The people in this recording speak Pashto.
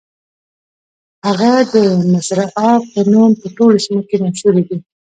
هغه د مصرعها په نوم په ټولو سیمو کې مشهورې دي.